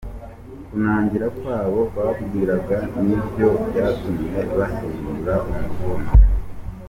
Kunangira kw’abo babwiraga ni byo byatumye bahindura umuvuno.